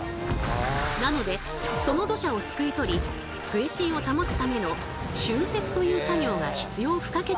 なのでその土砂をすくい取り水深を保つための浚渫という作業が必要不可欠なのですが。